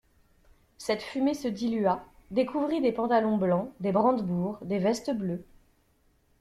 Cette fumée se dilua, découvrit des pantalons blancs, des brandebourgs, des vestes bleues.